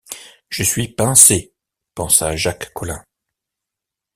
Je suis pincé, pensa Jacques Collin.